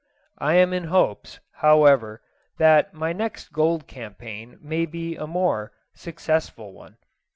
I am in hopes, however, that my next gold campaign may be a more, successful one.